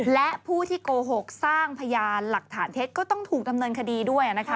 และผู้ที่โกหกสร้างพยานหลักฐานเท็จก็ต้องถูกดำเนินคดีด้วยนะคะ